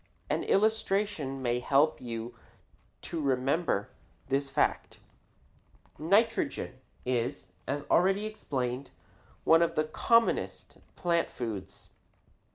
An illustration may help you to remember this fact. Nitrogen is, as already explained, one of the commonest plant foods.